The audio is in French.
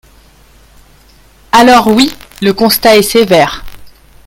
Alors oui, le constat est sévère.